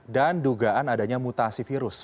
dan dugaan adanya mutasi virus